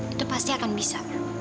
itu pasti akan bisa